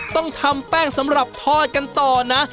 ต้องทำแป้งสำหรับทอดกันต่อนะ